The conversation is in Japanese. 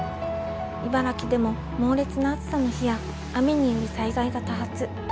茨城でも猛烈な暑さの日や雨による災害が多発。